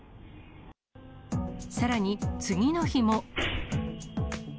さらに、次の日も。